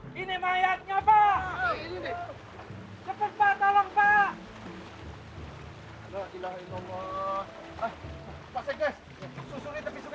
sebagian kalian bawa anak ini ke puskesmas cepat